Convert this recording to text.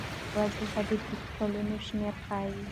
وضوح د پیکسلونو شمېر ښيي.